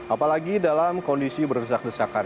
apalagi dalam kondisi berdesak desakan